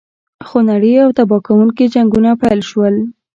خونړي او تباه کوونکي جنګونه پیل شول.